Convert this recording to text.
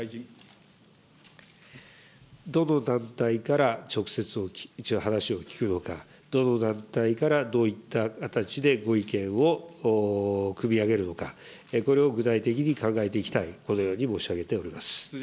どの団体から、直接、話を聞くのか、どの団体からどういった形でご意見をくみ上げるのか、これを具体的に考えていきたい、このように申し上げております。